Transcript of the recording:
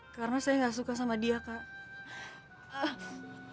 karena saya gak suka sama dia kak